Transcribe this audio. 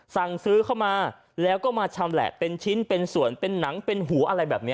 สั่งซื้อเข้ามาแล้วก็มาชำแหละเป็นชิ้นเป็นส่วนเป็นหนังเป็นหัวอะไรแบบนี้